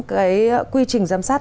cái quy trình giám sát